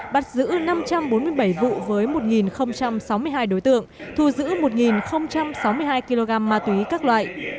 bắt giữ năm trăm bốn mươi bảy vụ với một sáu mươi hai đối tượng thu giữ một sáu mươi hai kg ma túy các loại